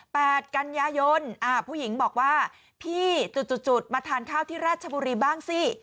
กันยายนอ่าผู้หญิงบอกว่าพี่จุดจุดจุดมาทานข้าวที่ราชบุรีบ้างสิ